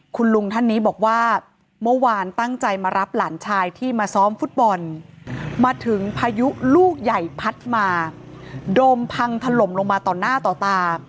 คุณลุงท่านนี้บอกว่าเมื่อวานตั้งใจมารับหลานชายที่มาซ้อมฟุตบอลมาถึงพายุลูกใหญ่พัดมาโดมพังถล่มลงมาต่อหน้าต่อตา